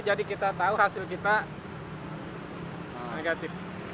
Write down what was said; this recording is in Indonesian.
jadi kita tahu hasil kita negatif